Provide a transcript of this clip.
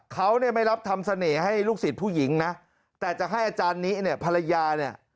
เขาเนี่ยไม่รับทำเสน่ห์ให้ลูกศิษย์ผู้หญิงนะแต่จะให้อาจารย์นี้เนี่ยภรรยาเนี่ย